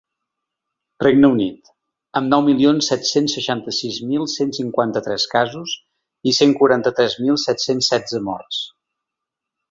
Regne Unit, amb nou milions set-cents seixanta-sis mil cent cinquanta-tres casos i cent quaranta-tres mil set-cents setze morts.